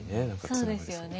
そうですよね。